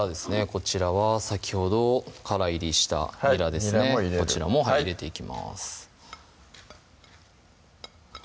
こちらは先ほどからいりしたにらですねこちらも入れていきます